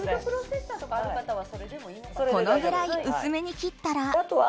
このぐらい薄めに切ったら。